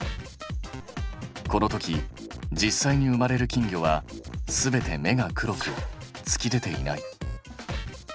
このとき実際に生まれる金魚は全て目が黒く突き出ていない。